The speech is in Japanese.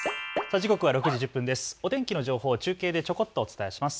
時刻は６時１０分です。